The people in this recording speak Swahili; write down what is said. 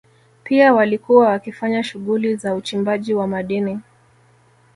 Pia walikuwa wakifanya shughuli za uchimbaji wa madini